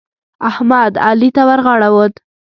احمد؛ علي ته ورغاړه وت.